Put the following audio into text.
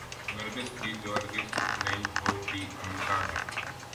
نرگس کی جو ہرگز نہیں سوتیعنقا ہے۔